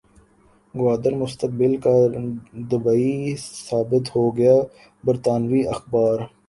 گوادر مستقبل کا دبئی ثابت ہوگا برطانوی اخبار